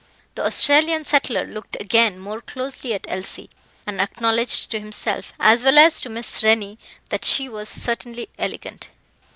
The Australian settler looked again more closely at Elsie, and acknowledged to himself, as well as to Miss Rennie, that she was certainly elegant.